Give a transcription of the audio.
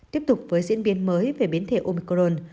tiếp tục với diễn biến mới về biến thể omicron